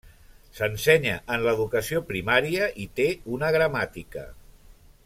S'ensenya en l'educació primària i té una gramàtica.